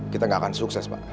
kita nggak akan sukses pak